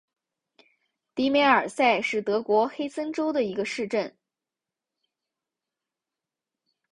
迪梅尔塞是德国黑森州的一个市镇。